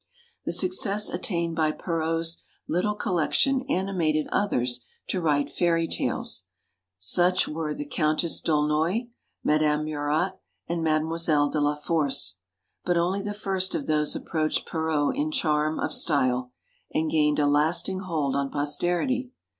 The success attained by Perrault's little collection animated others to write Fairy Tales. Such were the Countess D'Aulnoy, Madame Murat, and Made moiselle de la Force. But only the first of those approached Perrault in charm of style, and gained a lasting hold on posterity.